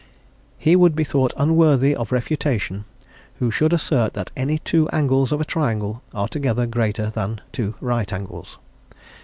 He would be thought unworthy of refutation who should assert that any two angles of a triangle are together greater than two right angles.